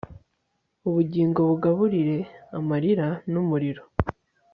ubugingo bugaburire amarira n'umuriro